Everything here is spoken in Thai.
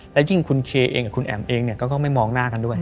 และยิ่งคุณเคเองกับคุณแอ๋มเองก็ไม่มองหน้ากันด้วย